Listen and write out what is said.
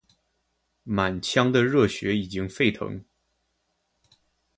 满腔的热血已经沸腾，